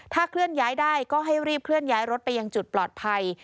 เคลื่อนย้ายได้ก็ให้รีบเคลื่อนย้ายรถไปยังจุดปลอดภัย